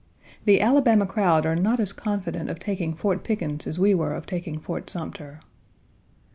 The Alabama crowd are not as confident of taking Fort Pickens as we were of taking Fort Sumter.